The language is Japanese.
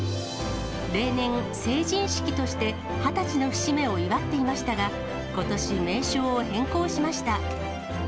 例年、成人式として二十歳の節目を祝っていましたが、ことし名称を変更しました。